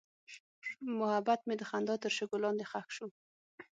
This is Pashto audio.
محبت مې د خندا تر شګو لاندې ښخ شو.